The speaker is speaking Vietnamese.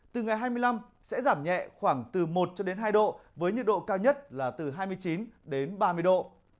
từ ngày hai mươi năm sẽ giảm nhẹ khoảng từ một hai độ với nhiệt độ cao nhất là từ hai mươi chín ba mươi độ